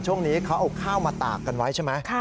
ช่วงนี้เขาเอาข้าวมาตากกันไว้ใช่ไหม